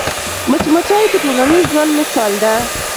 مچمچۍ د ټولنیز ژوند مثال ده